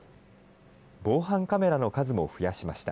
防犯カメラの数も増やしました。